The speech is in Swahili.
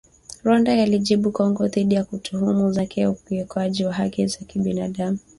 Rwanda yajibu Kongo dhidi ya tuhuma juu yake za ukiukaji wa haki za binadamu.